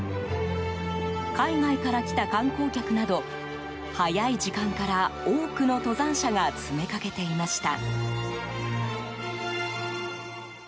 海外から来た観光客など早い時間から多くの登山者が詰めかけていました。